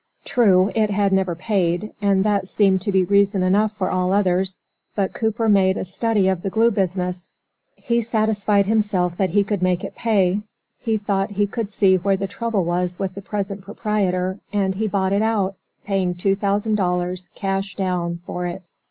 True, it had never paid, and that seemed to be reason enough for all others, but Cooper made a study of the glue business. He satisfied himself that he could make it pay; he thought he could see where the trouble was with the present proprietor, and he bought it out, paying two thousand dollars, cash down, for it.